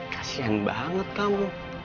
kasian banget kamu